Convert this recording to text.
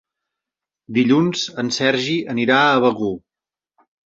Dilluns en Sergi anirà a Begur.